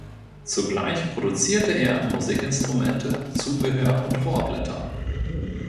Zugleich produzierte er Musikinstrumente, Zubehör und Rohrblätter.